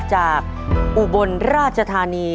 จากอุบลราชธานี